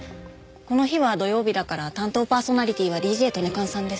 この日は土曜日だから担当パーソナリティーはＤＪＴＯＮＥＫＡＮさんです。